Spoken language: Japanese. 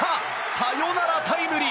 サヨナラタイムリー！